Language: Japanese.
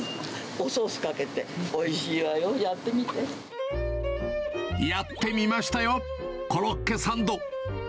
おソースかけて、おいしいわよ、やってみましたよ、コロッケサンド。